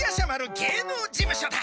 芸能事務所だ。